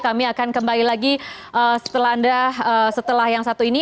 kami akan kembali lagi setelah yang satu ini